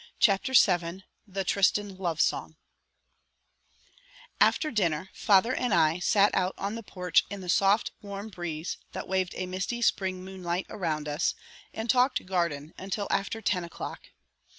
CHAPTER VII THE TRISTAN LOVE SONG After dinner father and I sat out on the porch in the soft, warm breeze that waved a misty spring moonlight around us, and talked garden until after ten o'clock.